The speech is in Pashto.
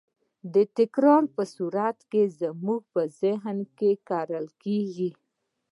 د تکرار په صورت کې زموږ په ذهن کې کرل کېږي.